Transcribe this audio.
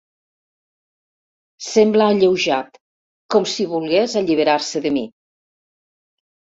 Sembla alleujat, com si volgués alliberar-se de mi.